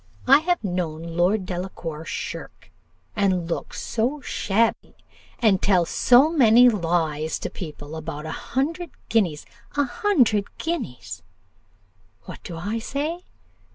I have known Lord Delacour shirk, and look so shabby, and tell so many lies to people about a hundred guineas a hundred guineas! what do I say?